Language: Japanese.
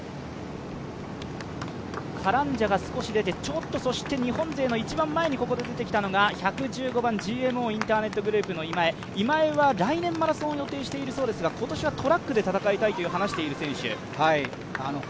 カランジャが少し出て、日本勢の一番前でここで出てきたのが１１５番、ＧＭＯインターネットグループの今江今江は来年マラソンを予定していますが今年はトラックで戦いたいと話している選手。